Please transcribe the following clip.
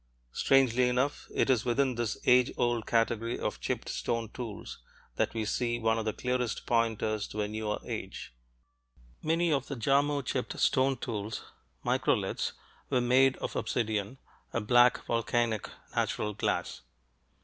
Strangely enough, it is within this age old category of chipped stone tools that we see one of the clearest pointers to a newer age. Many of the Jarmo chipped stone tools microliths were made of obsidian, a black volcanic natural glass.